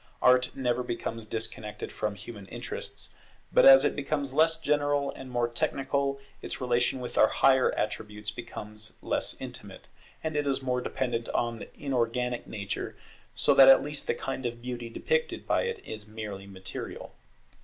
Art never becomes disconnected from human interests; but as it becomes less general and more technical, its relation with our higher attributes becomes less intimate, and it is more dependent on inorganic Nature, so that at last the kind of beauty depicted by it is merely material.